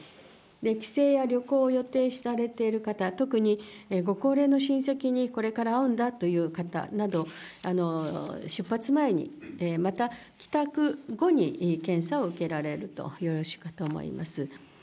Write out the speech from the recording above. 帰省や旅行を予定されている方、特にご高齢の親戚にこれから会うんだという方など、出発前に、また帰宅後に検査を受けられるとよろしいかと思います。